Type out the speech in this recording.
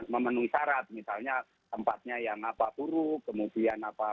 memenuhi syarat misalnya tempatnya yang apa buruk kemudian apa